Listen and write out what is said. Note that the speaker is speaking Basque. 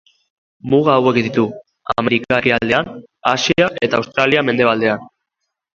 Muga hauek ditu: Amerika, ekialdean; Asia eta Australia mendebalean.